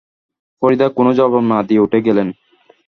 ফরিদা কোনো জবাব না দিয়ে উঠে গেলেন।